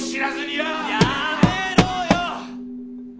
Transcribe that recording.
やめろよ！